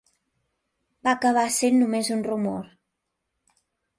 Va acabar sent només un rumor.